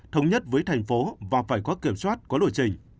thống nhất với thành phố và phải có kiểm soát có lộ trình